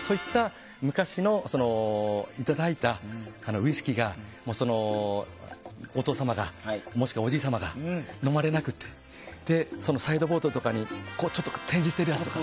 そういった昔のいただいたウイスキーがお父様もしくはおじい様が飲まれなくてサイドボードとかに展示しているやつとか。